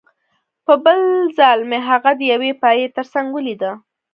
په بل ځل مې هغه د یوې پایې ترڅنګ ولیده